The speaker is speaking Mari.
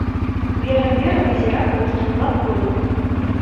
Верын-верын изирак остров-влак койыт.